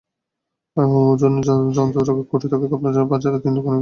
ওজন যন্ত্রের ত্রুটি থাকায় কাপ্তান বাজারের তিন দোকানিকে জরিমানা করেছেন ভ্রাম্যমাণ আদালত।